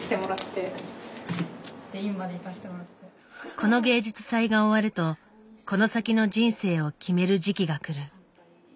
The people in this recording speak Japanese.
この芸術祭が終わるとこの先の人生を決める時期がくる。